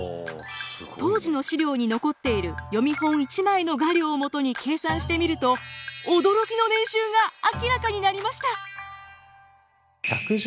当時の資料に残っている読本一枚の画料をもとに計算してみると驚きの年収が明らかになりました。